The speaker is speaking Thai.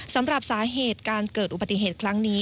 สำหรับสาเหตุการเกิดอุบัติเหตุครั้งนี้